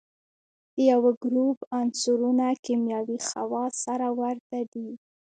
د یوه ګروپ عنصرونه کیمیاوي خواص سره ورته دي.